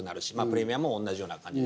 プレミアも同じような感じ。